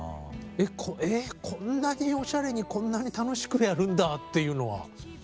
こんなにおしゃれにこんなに楽しくやるんだっていうのは。